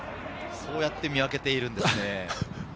そうやって見分けているんですね。